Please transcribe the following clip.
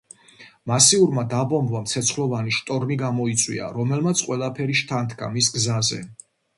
მასიურმა დაბომბვამ ცეცხლოვანი შტორმი გამოიწვია, რომელმაც ყველაფერი შთანთქა მის გზაზე.